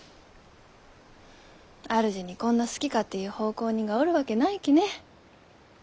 主にこんな好き勝手言う奉公人がおるわけないきね。